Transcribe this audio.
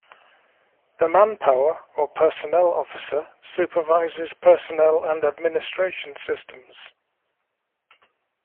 The manpower or personnel officer supervises personnel and administration systems.